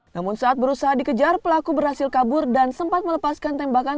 namun saat berusaha dikejar pelaku berhasil kabur dan sempat melepaskan tembakan